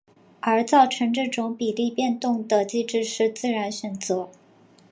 而造成这种比例变动的机制是自然选择。